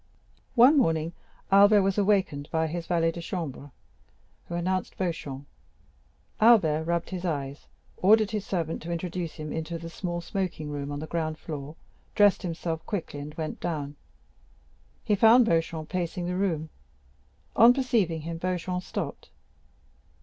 One morning Albert was awakened by his valet de chambre, who announced Beauchamp. Albert rubbed his eyes, ordered his servant to introduce him into the small smoking room on the ground floor, dressed himself quickly, and went down. He found Beauchamp pacing the room; on perceiving him Beauchamp stopped.